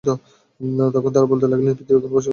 তখন তারা বলতে লাগলেন, পৃথিবী এখনও বসবাসযোগ্য হয়ে উঠেনি।